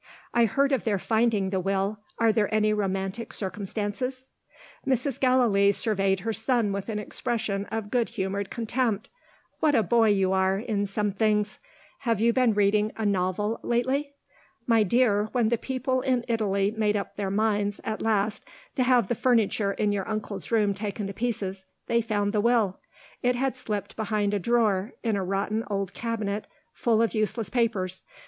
"I heard of their finding the Will are there any romantic circumstances?" Mrs. Gallilee surveyed her son with an expression of good humoured contempt. "What a boy you are, in some things! Have you been reading a novel lately? My dear, when the people in Italy made up their minds, at last, to have the furniture in your uncle's room taken to pieces, they found the Will. It had slipped behind a drawer, in a rotten old cabinet, full of useless papers.